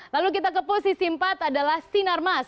lalu kita ke posisi empat adalah sinar mas